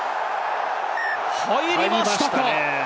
入りましたか？